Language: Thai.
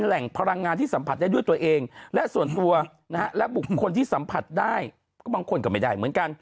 หวังต้องแข่งพลังงานที่สัมผัสได้ด้วยตัวเอง